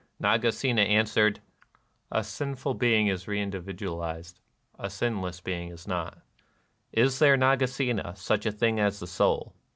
" Naga sena answered :" A sinful being is reindividual ized ; a sinless one is not." (p. 50.) " Is there, Nagasena, such a thing as the soul